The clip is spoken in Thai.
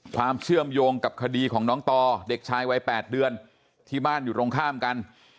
ความเชื่อมโยงกับคดีของน้องต่อเด็กชายวัย๘เดือนที่บ้านอยู่ตรงข้ามกัน